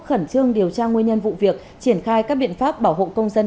khẩn trương điều tra nguyên nhân vụ việc triển khai các biện pháp bảo hộ công dân